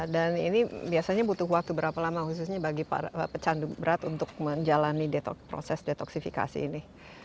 dan ini biasanya butuh waktu berapa lama khususnya bagi para pecandu berat untuk menjalani proses detoksifikasi ini